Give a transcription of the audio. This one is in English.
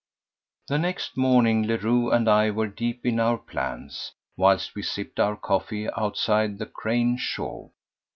The next morning Leroux and I were deep in our plans, whilst we sipped our coffee outside the Crâne Chauve.